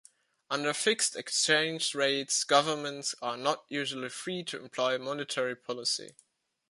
Under fixed exchange rates, governments are not usually free to employ monetary policy.